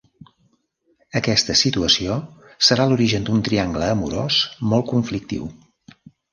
Aquesta situació serà l'origen d'un triangle amorós molt conflictiu.